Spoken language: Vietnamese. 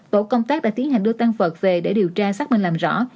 tổ công tác đã tiến hành đưa tăng vật về để điều tra xác minh làm rõ